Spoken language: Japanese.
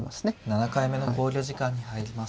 ７回目の考慮時間に入りました。